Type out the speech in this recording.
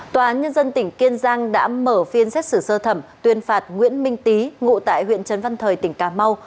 tòa án nhân dân tỉnh kiên giang đã mở phiên xét xử sơ thẩm tuyên phạt nguyễn minh tý ngụ tại huyện trấn văn thời tỉnh cà mau